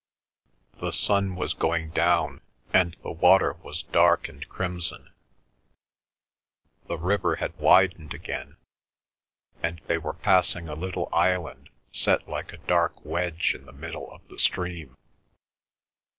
The sun was going down, and the water was dark and crimson. The river had widened again, and they were passing a little island set like a dark wedge in the middle of the stream.